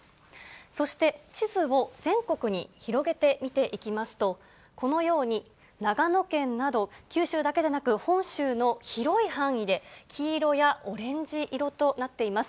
そして地図を全国に広げて見ていきますと、このように、長野県など、九州だけでなく、本州の広い範囲で、黄色やオレンジ色となっています。